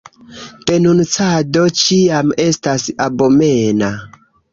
Denuncado ĉiam estas abomena.